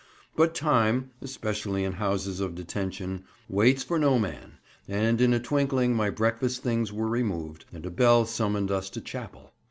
But time (especially in Houses of Detention) waits for no man, and in a twinkling my breakfast things were removed, and a bell summoned us to chapel.